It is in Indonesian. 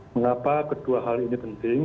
mengapa kedua hal ini penting